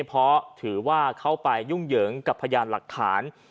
เพราะถือว่าเข้าไปยุ่งเหยิงกับพยานหลักฐาน